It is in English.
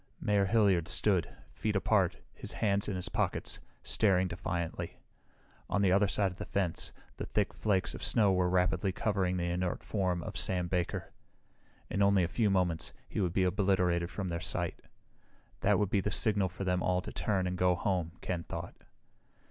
Mayor Hilliard stood, feet apart, his hands in his pockets, staring defiantly. On the other side of the fence, the thick flakes of snow were rapidly covering the inert form of Sam Baker. In only a few moments he would be obliterated from their sight. That would be the signal for them all to turn and go home, Ken thought.